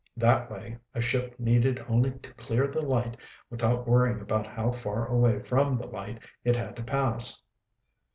That way, a ship needed only to clear the light without worrying about how far away from the light it had to pass.